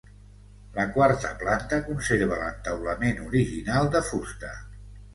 La quarta planta conserva l'entaulament original de fusta.